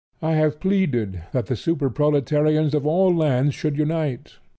I have pleaded that the Super Proletarians of all lands should unite.